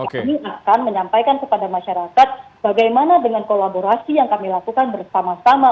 kami akan menyampaikan kepada masyarakat bagaimana dengan kolaborasi yang kami lakukan bersama sama